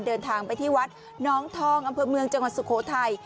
เดินทางไปที่วัดน้องทองอำเภอเมืองจังหวัดสุโขทัย